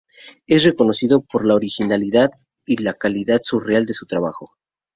Es reconocido por la originalidad y la calidad surreal de su trabajo.